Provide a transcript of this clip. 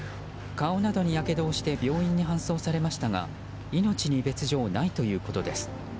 顔などにやけどをして病院に搬送されましたが命に別条はないということです。